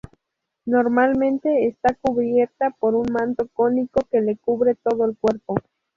Normalmente está cubierta por un manto cónico que le cubre todo el cuerpo.